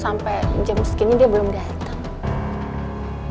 sampai jam segini dia belum datang